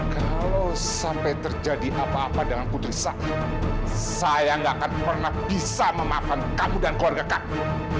kalau sampai terjadi apa apa dengan putri saya gak akan pernah bisa memaafkan kamu dan keluarga kami